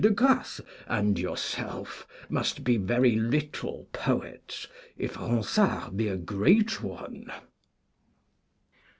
de Grasse, and yourself must be very little poets, if Ronsard be a great one.'